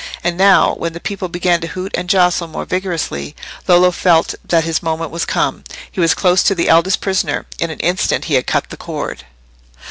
And now, when the people began to hoot and jostle more vigorously, Lollo felt that his moment was come—he was close to the eldest prisoner: in an instant he had cut the cord.